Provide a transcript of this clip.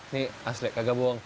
nih asli kagak buang